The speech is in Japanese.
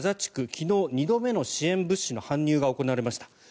昨日、２度目の支援物資の搬入が行われました。